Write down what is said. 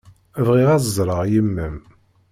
Bɣiɣ ad ẓreɣ yemma-m.